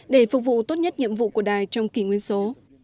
để phục vụ tốt nhất nhiệm vụ của đài trong kỷ nguyên số